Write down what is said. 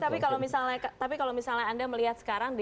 pak ferry tapi kalau misalnya anda melihat sekarang